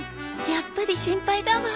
やっぱり心配だわ。